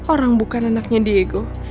orang bukan anaknya diego